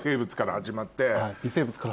微生物から。